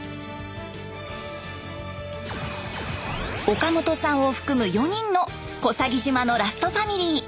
岡本さんを含む４人の小佐木島のラストファミリー。